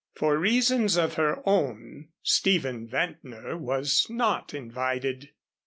For reasons of her own Stephen Ventnor was not invited.